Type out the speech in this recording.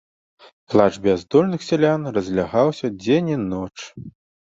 Плач бяздольных сялян разлягаўся дзень і ноч.